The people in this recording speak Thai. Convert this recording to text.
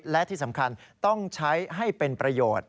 และที่สำคัญต้องใช้ให้เป็นประโยชน์